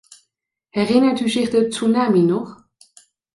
Herinnert u zich de tsunami nog?